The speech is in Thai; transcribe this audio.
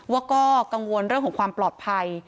ว่าก็กังวลเรื่องของความปลอดภัย